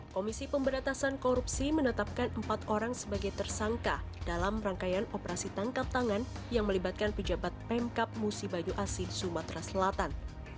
komisi pemberatasan korupsi menetapkan empat orang sebagai tersangka dalam rangkaian operasi tangkap tangan yang melibatkan pejabat pemkap musi bajo asin sumatera selatan